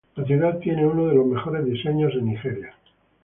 La ciudad tiene uno de los mejores diseños en Nigeria.